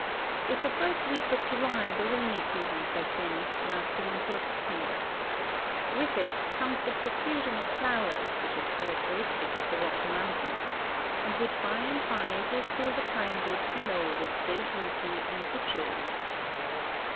With the first week of July the rainy season sets in, lasting until September. With it comes the profusion of flowers which is characteristic of the Rocky mountains, and which by and Ijy will fill the pine woods below with gay beauty and luxuriance.